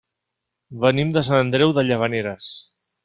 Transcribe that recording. Venim de Sant Andreu de Llavaneres.